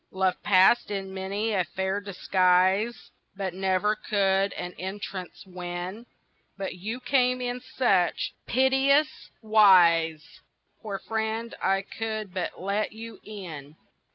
"Love passed in many a fair disguise But never could an entrance win, But you came in such piteous wise, Poor friend, I could but let you in."